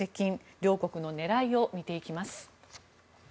両国の狙いを見ていきます。